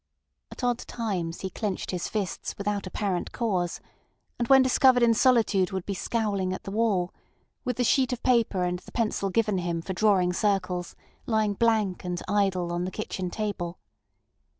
At odd times he clenched his fists without apparent cause, and when discovered in solitude would be scowling at the wall, with the sheet of paper and the pencil given him for drawing circles lying blank and idle on the kitchen table.